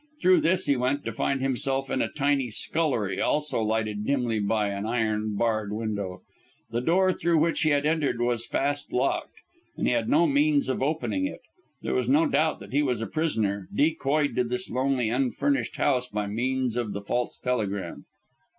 Through this he went, to find himself in a tiny scullery also lighted dimly by an iron barred window. The door through which he had entered was fast locked, and he had no means of opening it. There was no doubt that he was a prisoner, decoyed to this lonely, unfurnished house by means of the false telegram.